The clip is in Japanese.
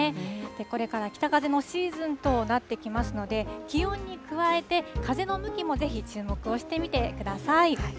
これから北風のシーズンとなってきますので、気温に加えて、風の向きもぜひ、注目をしてみてください。